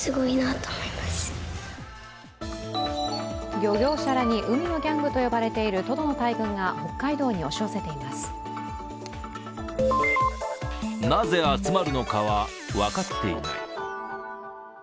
漁業者らに海のギャングと呼ばれているトドの大群が北海道に押し寄せています。